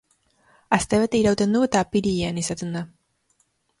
Astebete irauten du eta apirilean izaten da.